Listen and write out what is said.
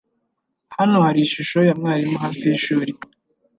Hano hari ishusho ya mwarimu hafi yishuri.